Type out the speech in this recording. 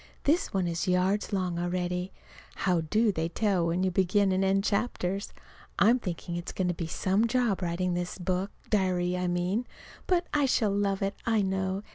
This one is yards long already. How do they tell when to begin and end chapters? I'm thinking it's going to be some job, writing this book diary, I mean. But I shall love it, I know.